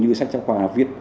như sách cho khoa viết